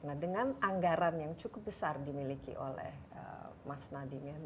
nah dengan anggaran yang cukup besar dimiliki oleh mas nadiem ya